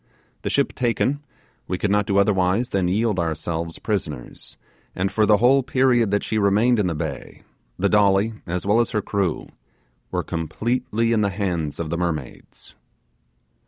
The ship taken, we could not do otherwise than yield ourselves prisoners, and for the whole period that she remained in the bay, the Dolly, as well as her crew, were completely in the hands of the mermaids.